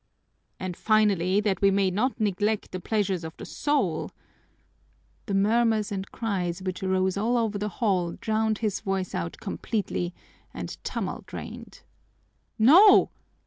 "And, finally, that we may not neglect the pleasures of the soul " The murmurs and cries which arose all over the hall drowned his voice out completely, and tumult reigned. "No!"